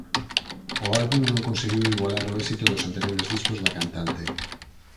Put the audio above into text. O álbum non conseguiu igualar o éxito dos anteriores discos da cantante.